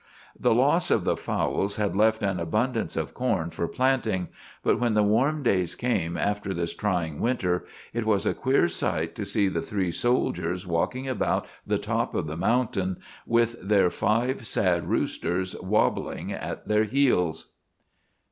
The loss of the fowls had left an abundance of corn for planting; but when the warm days came after this trying winter, it was a queer sight to see the three soldiers walking about the top of the mountain, with their five sad roosters wabbling at their heels.